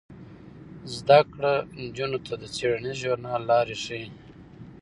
زده کړه نجونو ته د څیړنیز ژورنالیزم لارې ښيي.